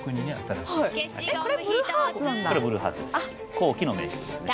後期の名曲ですね。